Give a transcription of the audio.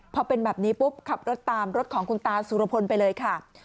พอเป็นแบบนี้ปุ๊บขับรถตามรถของคุณตาสุรพลไปเลยค่ะ